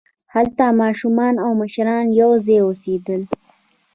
هلته ماشومان او مشران یوځای اوسېدل.